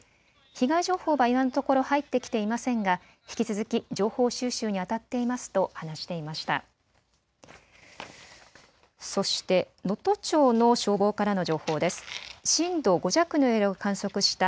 被害情報は今のところ入ってきていませんが引き続き情報収集にあたっていますと話していました。